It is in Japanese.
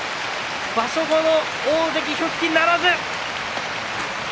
場所後の大関復帰ならず。